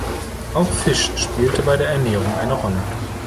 Auch Fisch spielte bei der Ernährung eine Rolle.